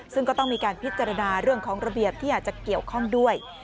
ซึ่งก็ต้องมีการพิจารณาเรื่องของระเบียบที่อาจจะเกี่ยวข้องด้วย